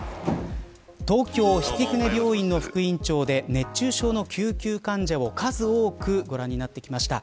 東京曳舟病院の副院長で熱中症の救急患者を数多くご覧になってきました